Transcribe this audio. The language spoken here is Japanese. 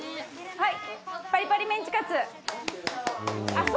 はい。